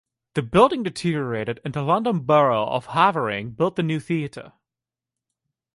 The building deteriorated and the London Borough of Havering built the new theatre.